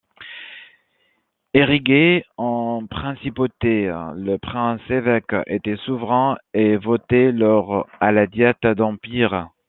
Érigé en principauté, le prince-évêque était souverain et votait lors à la Diète d'Empire.